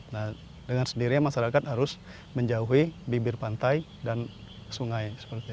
nah dengan sendirinya masyarakat harus menjauhi bibir pantai dan sungai